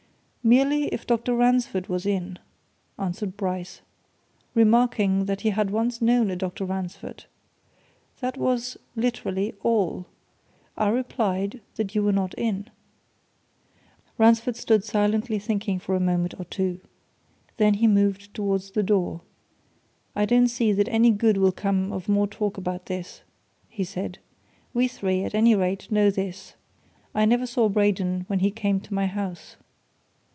"Merely if Dr. Ransford was in," answered Bryce, "remarking that he had once known a Dr. Ransford. That was literally all. I replied that you were not in." Ransford stood silently thinking for a moment or two. Then he moved towards the door. "I don't see that any good will come of more talk about this," he said. "We three, at any rate, know this I never saw Braden when he came to my house."